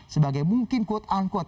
sebagai mungkin quote unquote